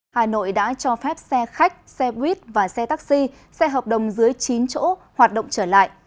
hà nội đã cho phép xe khách xe buýt và xe taxi xe hợp đồng dưới chín chỗ hoạt động trở lại